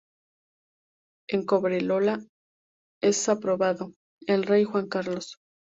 En Cobreloa es apodado "El Rey Juan Carlos".